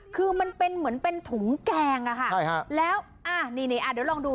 คือมันเป็นเหมือนเป็นถุงแกงอะค่ะใช่ฮะแล้วอ่านี่นี่อ่ะเดี๋ยวลองดู